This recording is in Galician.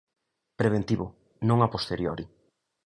Preventivo, non a posteriori.